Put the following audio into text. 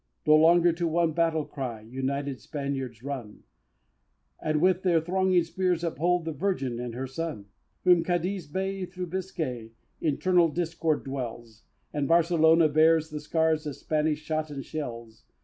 No longer to one battle cry United Spaniards run, And with their thronging spears uphold The Virgin and her Son! From Cadiz Bay to rough Biscay Internal discord dwells, And Barcelona bears the scars Of Spanish shot and shells.